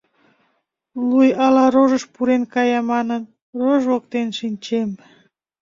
Луй ала рожыш пурен кая манын, рож воктен шинчем.